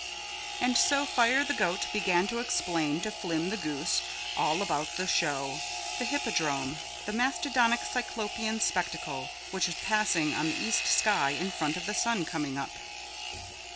And so Fire the Goat began to explain to Flim the Goose all about the show, the hippodrome, the mastodonic cyclopean spectacle which was passing on the east sky in front of the sun coming up.